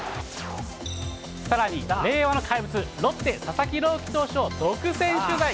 さらに令和の怪物、ロッテ、佐々木朗希投手を独占取材。